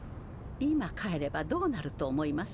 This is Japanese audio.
今帰ればどうなると思います？